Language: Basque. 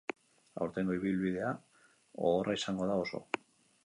Aurtengo ibilbidea gogorra izango da oso.